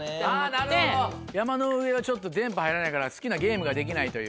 なるほど山の上はちょっと電波入らないから好きなゲームができないという。